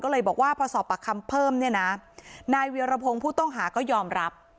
ก็เลยบอกว่าพอสอบปากคำเพิ่มเนี่ยนะนายเวียรพงศ์ผู้ต้องหาก็ยอมรับ